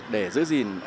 để giữ gìn hình thị tự